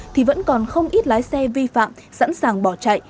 thì vẫn còn không ít lái xe vi phạm sẵn sàng bỏ chạy